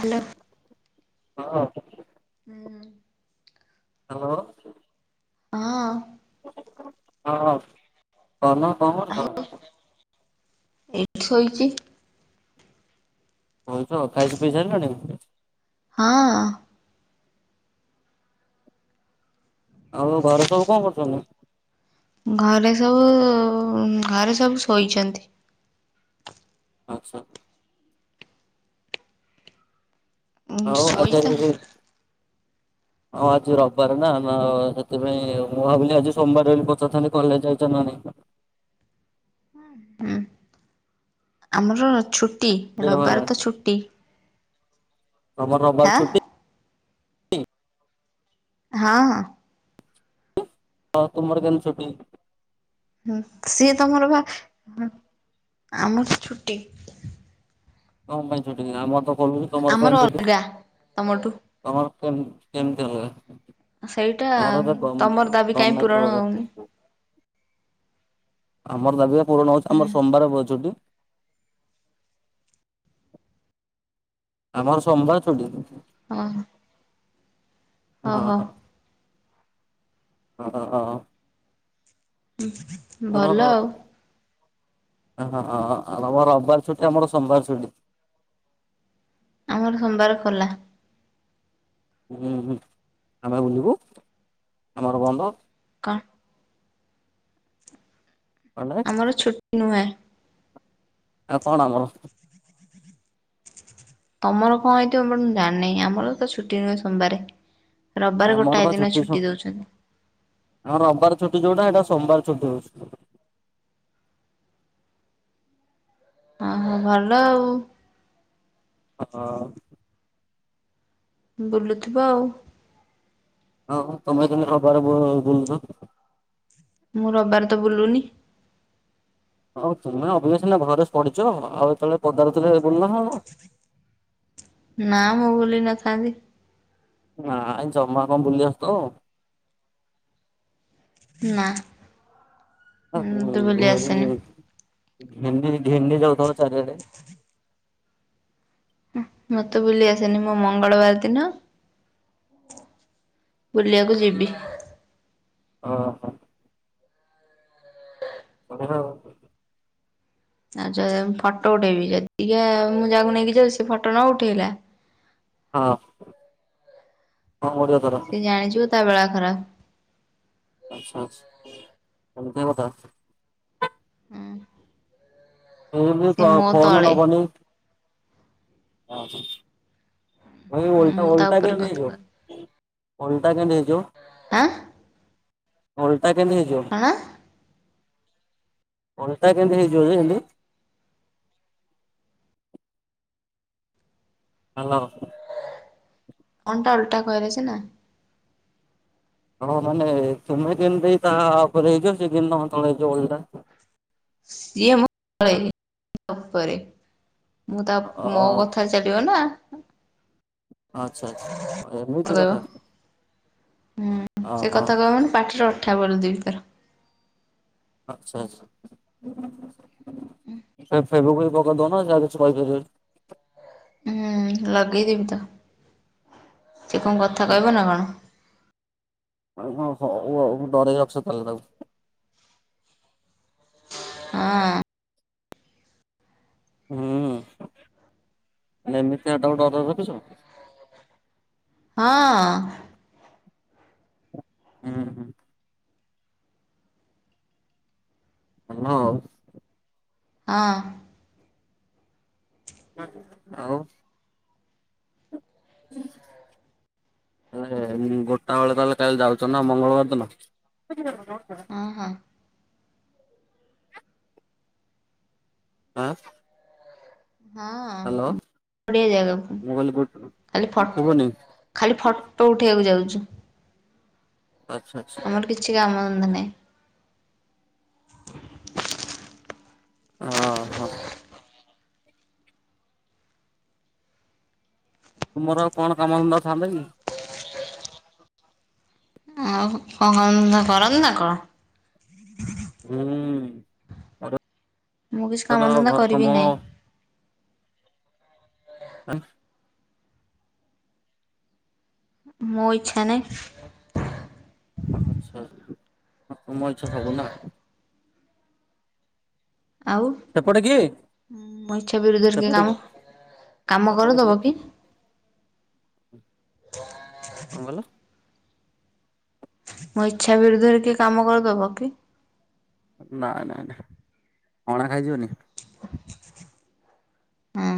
Hello ହ ହଁ। Hello. ହଁ। ହଁ କନ କଣ ହ। ଆଉ [unintelligible] ଏଇଠି ଶୋଇଛି। ଶୋଇଛ ଖାଇସ ପିଇସାରିଲଣି? ହଁ। ଆଉ ଘର ସବୁ କଣ କରୁଛନ୍ତି? ଘରେ ସବୁ ଉଁ ଘରେ ସବୁ ଶୋଇଛନ୍ତି ଆଚ୍ଛା। ହଉ ଆ [unintelligible] ଶୋଇ ତ ହଁ ଆଜି ରବିବାରନା ନା ସେଥିପାଇଁ ମୁଁ ଭାବିଲି ଆଜି ସୋମବାର ବୋଲି ପଚାରିଥାନ୍ତି କଲେଜ ଯାଇଚ [unintelligible] ହୁଁ। ଆମର ଛୁଟି ରବିବାର ତ ଛୁଟି। ତମର ରବିବାର ହାଁ ଛୁଟି? ହଁ ହଁ। ହ ତୁମର କେନ ଛଟି? ହଁ ସିଏ ତମର ବା ଆମର ଛୁଟି। କଣ ପାଇଁ ଛୁଟି ଆମର ତ ଖୋଲୁଛି ତମର ଆମର କାହି ଛୁଟି ଅଲଗା ତମଠୁ। ତମର କେ କେମିତି ହୁଏ ସେଇଟା ଆର ତମର ଦାବି କାହିଁ ପୂରଣ ଗ-ଗମେଟ। ହଉନି। [unintelligible] ଆମର ଦାବି ପୂରଣ ହଉଛି ଆମର ସୋମବାର ବହେ ଛୁଟି। ଆମର ସୋମବାର ଛୁଟି। ହଁ। ହଁ ଓହୋ ହଁ। ହଁ ହଁ। ଭଲ ହଁ। ଆଉ ହଁ ହଁ ଆମ ରବିବାର ଛୁଟି ଆମର ସୋମବାର ଛୁଟି। ଆମର ସୋମବାର ଖୋଲା। ହୁଁ -ହୁଁ ଆମେ ବୁଲିବୁ ଆମର ଗଣ୍ଡ କଣ? କଲେ ଆମର ଛୁଟି ନାହିଁ। ଆଉ କଣ ଆମର? ତମର କଣ ହେଇଥିବ ମୁଁ ଜାଣିନାହିଁ। ଆମର ତ ଛୁଟି ନୁହେଁ ସୋମବାରେ ରବିବାର ଗୋଟାଏ ଦିନ ଛୁଟି ଦଉଛନ୍ତି। ଆମ ରବିବାର ଛୁଟି ଯୋଉଟା ଏଇଟା ସୋମବାର ଛୁଟି ହଉଛି। ଓ ହୋ ଭଲ ଆଉ। ହଁ। ବୁଲୁଥିବ ଆଉ। ଆଉ ତମେ ତମ ରବିବାର ବୁଲଛ। ମୁଁ ରବିବାରେ ତ ବୁଲୁନି। ଆଉ ତମେ ମାନେ ଅଭିିକା ସିନା ଘରେ ପଢ଼ୁଛ ଆଉ ଯେତେବେଳେ ପଦାରୁଥିଲେ। ନା ମୁଁ ବୁଲି ନଥାନ୍ତି। ନାଇଁ ଜମା କଣ ବୁଲି ଆସୁଥିବ? ନା ମତେ ବୁଲି ଘେନି ଆସେନି। ଘେନି ଘେନି ଯାଉଥିବ ଚାରିଆଡେ। ମତେ ବୁଲି ଆସେନି, ମୋ ମଙ୍ଗଳବାର ଦିନ ବୁଲିଆକୁ ଯିବି। ଓ ହୋ। [unintelligible] ଆଜି ଫଟୋ ଉଠେଇବି, ଯଦି ଟିକେ ମୁଁ ଯାହାକୁ ନେଇକି ଯାଉ ସେ ଫଟୋ ନ ଉଠେଇଲା ହଁ ବେକ ମୋଡ଼ିବ ତୋର। ସେ ଜାଣିଯିବ ତା ବେଳା ଖରାପ। ଆଛା ଆଛା ଏମିତିଆ କଥା। ଇଏ ବି ସେ ମୋ ଫୋନ୍ ତଳେ ନବନି। ଓ ହୋ ଭାଇ ଓଲଟା ମୁଁ ତା ଓଲଟା ଉପରେ [unintelligible] ଓଲଟା କଥା କହିବି କେମିତି ହେଇଯିବ? ଓଲଟା ଆଁ କେମିତି ହେଇଯିବ? କଣ? ଓଲଟା କେମତି ହେଇଯିବ ଯେ [unintelligible] ହାଲୋ। ଅଣ୍ଟା ଓଲଟା କରାଇଛି ନା। ହଁ ମାନେ ତୁମେ କେମିତି ତା ଉପରେ ହେଇଯିବ? ସେ କେମିତି ତମ ତଳେ ହେଇଯିବ ଓଲଟା? ସିଏ ମୋ ତଳେ ମୁଁ ତା ଉପରେ। ମୁଁ ତା ମୋ କଥାରେ ଚାଲିବ ନା। ଆଚ୍ଛା ଆଚ୍ଛା ଏମିତି କହିବ କଥା। ହୁଁ ସେ ଓହୋ କଥା କହିବ ମାନେ ପାଟିରେ ଅଠା ବୋଳି ଦେବି ପୁରା। ଆଚ୍ଛା - ଆଛା। ଫେବିକୁଇକ୍ ପକେଇ ଦଉନ ସେ ଆଉ କିଛି କହି ପାରିବନି। ହୁଁ ଲଗେଇଦେବି ତ, ସେ କଣ କଥା କହିବ ନା କଣ? ହ ହଉ ଆଉ ଡରେଇ ରଖିଚ ତାହେଲେ ତାକୁ। ହଁ। ହୁଁ ଏମିତିକା ତାକୁ ଡରେଇ ରଖୁଛ। ହଁ। ହୁଁ - ହୁଁ। ହାଲୋ। ହଁ। ଆଉ। ହୁଁ ହେଲେ ଗୋଟାଏ ବେଳେ ତାହେଲେ କାଲି ଯାଉଛ ନା ମଙ୍ଗଳବାର ଦିନ। ହଁ - ହଁ। ଆଁ ହଁ ହାଲୋ ବଢିଆ ଜାଗା ମୁଁ କହିଲି ଖାଲି ଫଟୋ ଶୁଭୁନି ଖାଲି ଫ ଫୋଟ ଉଠେଇବାକୁ ଯାଉଛୁ। ଆଚ୍ଛା ଆଚ୍ଛା ଆମର କିଛି କାମଧନ୍ଦା ନାହିଁ। [inaudible] ହଁ ହ ତୁମର ଆଉ କଣ କାମଧନ୍ଦା ଥାନ୍ତା କି? ଆଉ କଣ କାମଧନ୍ଦା କରନ୍ତି ନା କଣ ହୁଁ ପରିବାର ମୁଁ କିଛି ଆଉ କାମଧନ୍ଦା ଘର କାମ କରିବି ହିଁ ନାଇଁ। [unintelligible] ମୋ ଇଚ୍ଛା ନାହିଁ। ଆଛା ତମ ଇଛା ସବୁ ନା। ଆଉ ସେପଟେ କିଏ ମୋ ଇଚ୍ଛା ବିରୁଦ୍ଧରେ କି ସେପଟେ କାମ କିଏ କାମ ସେପଟେ କିଏ କରିଦବ କି କଣ କହିଲ ମୋ ଇଚ୍ଛା ବିରୁଦ୍ଧରେ କିଏ କାମ କରିଦବ କି? ନାଇଁ ନାଇଁ ନାଇଁ ହଣା ଖାଇଯିବନି। ହଁ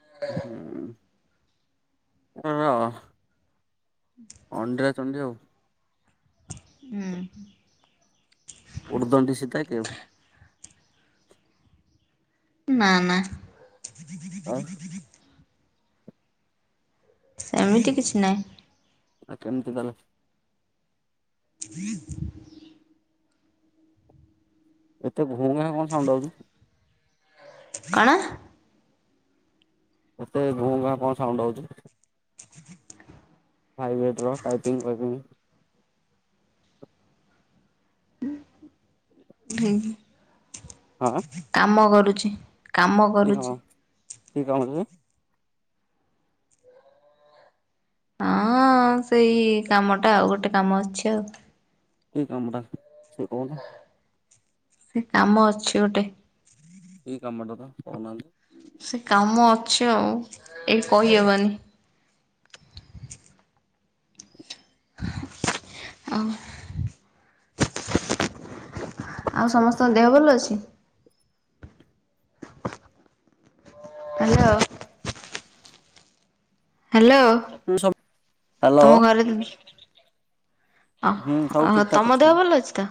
ହୁଁ ଅଣ୍ଡିରା ଚଣ୍ଡୀ ଆଉ। ହୁଁ ଉର୍ଦଣ୍ଡି ସୀତା କି ଆଉ ନା ନା ଆଉ ଏମିତି କିଛି ନାହିଁ। ଆଉ କେମିତି ତାହେଲେ [inaudible] ଏତେ ଘୁଁ ଘାଁ କଣ ସାଉଣ୍ଡ ଆଉଚି? କଣ? ଏତେ ଘୁଁ ଘାଁ କଣ ସାଉଣ୍ଡ ଆଉଛି। [inaudible] ଭାଇବ୍ରେଟ୍ ର ଟାଇପିଙ୍ଗ ଫାଇପିଙ୍ଗ। ହଁ କାମ କରୁଚି। କାମ କରୁଚି। କି କାମ କି? ହଁ ସେଇ କାମଟା ଆଉ ଗୋଟେ କାମ ଅଛି ଆଉ। କି କାମଟା ସେଇଟା କହୁନ। ସେ କାମ ଅଛି ଗୋଟେ। କି କାମଟା ତ କହୁନାହାନ୍ତି। ସେ କାମ ଅଛି ଆଉ ଏ କହିହବନି। ଆଉ ଆଉ ଆଚ୍ଛା ସମସ୍ତଙ୍କ ଦେହ ଭଲ ଅଛି। ହ୍ୟାଲୋ ହ୍ୟାଲୋ ସବୁ ହ୍ୟାଲୋ ତମ ଘରେ ଆ ହୁଁ ସବୁ ଠିକ ଓ ଠାକ ତମ ଅଛନ୍ତି। ଦେହ ଭଲ ଅଛି ତ।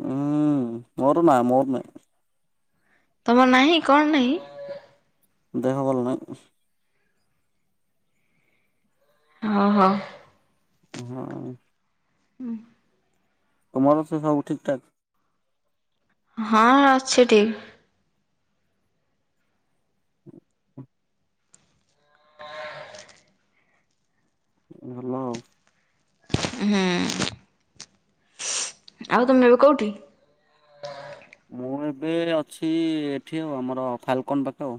ହୁଁ ମୋର ନା ମୋର ନାହିଁ। ତମର ନାହିଁ କଣ ନାହିଁ? ଦେହ ଭଲନାହିଁ। ଓ ହୋ ହଁ। ହୁଁ। ତୁମର ସେସବୁ ଠିକ୍ ଠାକ୍? ହଁ ଅଛି ଠିକ୍। [inaudible] [inaudible] ଭଲ ଆଉ। ହୁଁ। ଆଉ ତମେ ଏବେ କୋଉଠି? ମୁଁ ଏବେ ଅଛି ଏଠି ଆଉ ଆମର ଫାଲକନ ପାଖେ ଆଉ।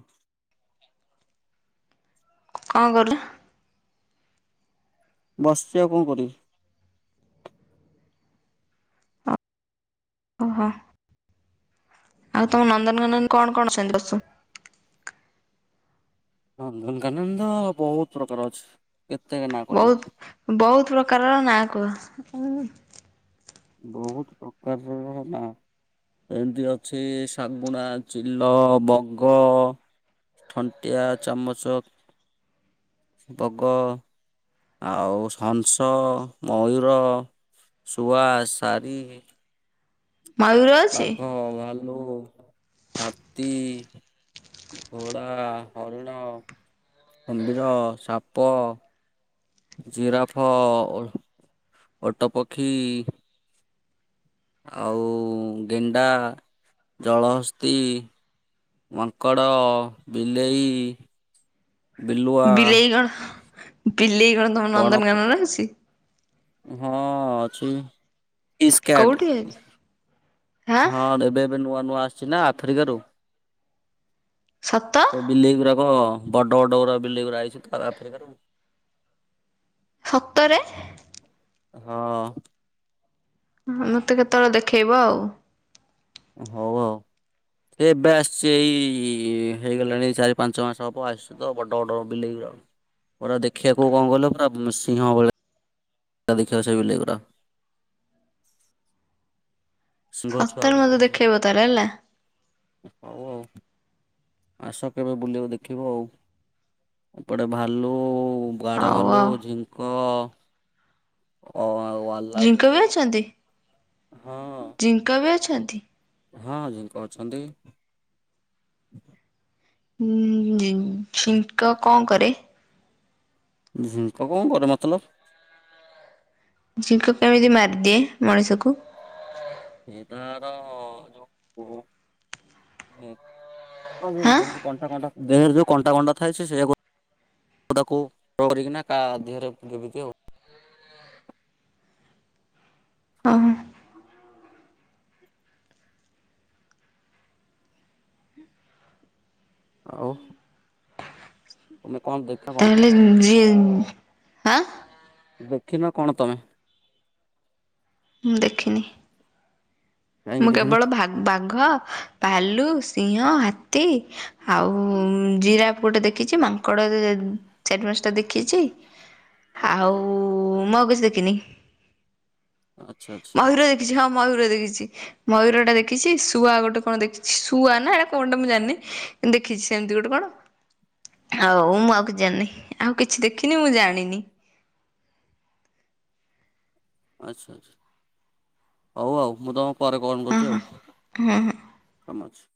କଣ କଲ? ବସିଚି ଆଉ କଣ କରିବି। ଓହୋ। ଆଉ ତମ ନନ୍ଦନକାନନ କଣ କଣ ସବୁ ଅଛି? ନନ୍ଦନକାନନ ତ ବହୁତ ପ୍ରକାର ଅଛି। କେତେ ନାଁ ବହୁତ କହିବି? ବହୁତ ପ୍ରକାରର ନାଁ କୁହ? ବହୁତ ପ୍ରକାରର ନାଁ ଏମତି ଅଛି ଶାଗୁଣା, ଚିଲ, ବଗ ଥଣ୍ଟିଆ, ଚାମଚ, ବଗ ଆଉ ହଂସ, ମୟୂର ଶୁଆ, ଶାରୀ ମୟୂର ଅଛି? ଭାଲୁ, ହାତୀ ଘୋଡ଼ା, ହରିଣ, କୁମ୍ଭୀର, ସାପ ଜିରାଫ, ଓଟପକ୍ଷୀ ଆଉ ଗେଣ୍ଡା, ଜଳହସ୍ତୀ ମାଙ୍କଡ଼, ବିଲେଇ ବିଲୁଆ, ବିଲେଇ କଣ ବିଲେଇ କଣ ତମର ବଣକୁ ନନ୍ଦନକାନନରେ ଅଛି? ହଁ ଅଛି ପିସ୍ କ୍ୟାଟ୍ କୋଉଠି ଅଛି ହାଁ ହଁ ଏବେ ଏବେ ନୂଆ ନୂଆ ଆସିଛି ନା ଆଫ୍ରିକାରୁ। ସତ ସେ ବିଲେଇ ଗୁରାକ ବଡ଼ ବଡ଼ ଗୁରା ବିଲେଇ ଗୁରା ଆସିଛନ୍ତି ଆଫ୍ରିକାରୁ ସତରେ? ହଁ। ମତେ କେତବେଳେ ଦେଖେଇବ ଆଉ। ହଉ ଆଉ। ଏ ଏବେ ଆସିଛି ଏଇ ହେଇଗଲାଣି ଚାରି ପାଞ୍ଚ ମାସ ହବ ଆସିଛି ତ ବଡ଼ ବଡ଼ ବିଲେଇ ଗୁ ପୁରା ଦେଖିବାକୁ କଣ କହିଲ ପୁରା ସିଂହ ଭଳି ଆ ଦେଖିଆକୁ ସେ ବିଲେଇ ଗୁରାକ। ସତରେ ମତେ ଦେଖେଇବ ତାହେଲେ ହେଲା। ହଉ ଆଉ, ଆସ କେବେ ବୁଲିବ ଦେଖିବ ଆଉ। ଏପଟେ ଭାଲୁ ବାଡ ହଉ ଭାଲୁ, ଆଉ ଝିଙ୍କ ଅ ଆଉ ଆଲାପି ଝିଙ୍କ ବି ଅଛନ୍ତି? ହଁ ଜିଙ୍କ ବି ଅଛନ୍ତି? ହଁ ଝିଙ୍କ ଅଛନ୍ତି। ହୁଁ ଉମ୍ ଝିଙ୍କ କଣ କରେ? ଝିଙ୍କ କଣ କରେ ମତଲବ? ଝିଙ୍କ କେମତି ମାରିଦିଏ ମଣିଷକୁ? ସେଇ ତାର ଯୋଉ ଯୋଉ ହାଁ ଦେହରେ କଣ୍ଟା କଣ୍ଟା ଦେହରେ ଯୋଉ କଣ୍ଟା କଣ୍ଟା ଥାଏ ସେ ସେୟାକୁ ଉ ତାକୁ କରିକିନା କା ଦେହରେ ଗେବିଚି ଆଉ। ହଁମ। ଆଉ ତମେ କଣ ଦେ ତାହେଲେ ଯିଏ ହାଁ ଦେଖିନ କଣ ତମେ? ମୁଁ ଦେଖିନି। ମୁଁ କାହିଁକି ଦେଖିନ କେବଳ ଭାଗ ବାଘ ଭାଲୁ ଭାଲୁ ସିଂହ ହାତୀ ଆଉ ଜିରାଫ ଗୋଟେ ଦେଖିଚି। ମାଙ୍କଡ ଅଁ ଚାରି ପାଶଟା ଦେଖିଚି। ଆଉ ମୁଁ ଆଉ କିଛି ଦେଖିନି। ଆଚ୍ଛା ଆଚ୍ଛା। ମୟୂର ଦେଖିଛି ହଁ ମୟୂର ଦେଖିଚି ମୟୂର ଟା ଦେଖିଛି। ଶୁଆ ଗୋଟେ କଣ ଦେଖିଛି। ଶୁଆ ନା ଏଇଟା କଣଟା ମୁଁ ଜାଣିନି। ଦେଖିଛି ସେମିତି ଗୋଟେ କଣ ଆଉ ମୁଁ ଆଉ କିଛି ଜାଣିନି ଆଉ। କିଛି ଦେଖିନି ମୁଁ ଜାଣିନି। ଆଚ୍ଛା ଆଛା ହଉ ଆଉ ମୁଁ ତମ ପରେ କଲ ହଁ କରୁଚି ହଁ। ଆଉ କାମ ଅଛି।